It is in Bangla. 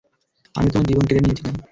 আমি তোমার জীবন কেড়ে নিয়েছিলাম।